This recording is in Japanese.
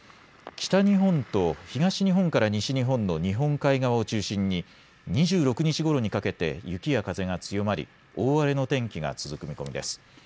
北日本と東日本から西日本の日本海側を中心に２６日ごろにかけて雪や風が強まり大荒れの天気が続く見込みです。